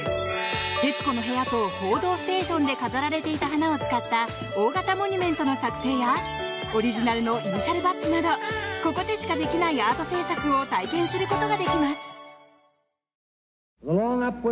「徹子の部屋」と「報道ステーション」で飾られていた花を使った大型モニュメントの作製やオリジナルのイニシャルバッジなどここでしかできないアート制作を体験することができます。